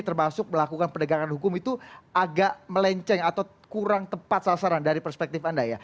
termasuk melakukan penegakan hukum itu agak melenceng atau kurang tepat sasaran dari perspektif anda ya